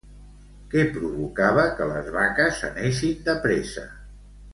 Què provocava que les vaques anessin de pressa?